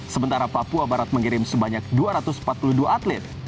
sementara papua barat mengirim sebanyak dua ratus empat puluh dua atlet